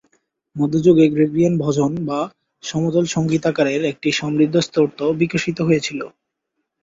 মধ্যযুগে গ্রেগরিয়ান ভজন বা সমতল সংগীত আকারে একটি সমৃদ্ধ স্তোত্র বিকশিত হয়েছিল।